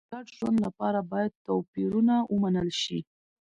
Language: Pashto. د ګډ ژوند لپاره باید توپیرونه ومنل شي.